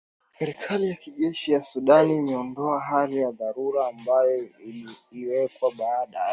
Serikali ya kijeshi ya Sudan imeondoa hali ya dharura ambayo iliwekwa baada ya